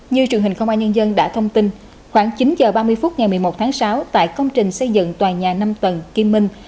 như truyền hình công an nhân dân đã thông tin khoảng chín h ba mươi phút ngày một mươi một tháng sáu tại công trình xây dựng tòa nhà năm tầng kim minh